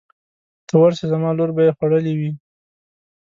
ته ورشه زما لور به یې خوړلې وي.